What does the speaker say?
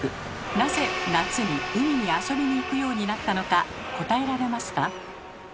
なぜ夏に海に遊びに行くようになったのか答えられますか？